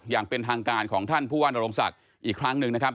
อย่างเป็นทางการของท่านผู้ว่านโรงศักดิ์อีกครั้งหนึ่งนะครับ